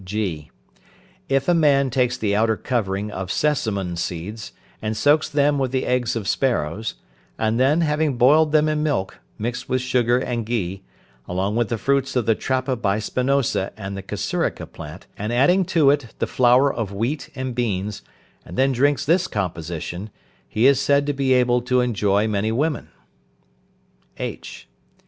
(g). If a man takes the outer covering of sesamum seeds, and soaks them with the eggs of sparrows, and then, having boiled them in milk, mixed with sugar and ghee, along with the fruits of the trapa bispinosa and the kasurika plant, and adding to it the flour of wheat and beans, and then drinks this composition, he is said to be able to enjoy many women. (h).